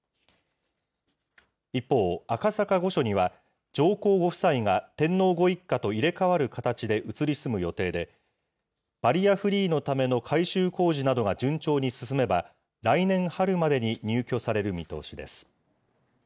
一方、赤坂御所には上皇ご夫妻が天皇ご一家と入れ代わる形で移り住む予定で、バリアフリーのための改修工事などが順調に進めば、来年春までに入居される見通しです。